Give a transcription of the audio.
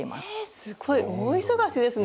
すごい大忙しですね。